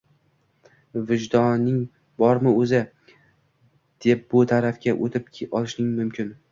Vijdoning bormi o‘zi?" deb bu tarafga o‘tib olishing mumkin.